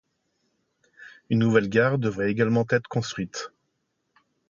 Une nouvelle gare devrait également être construite.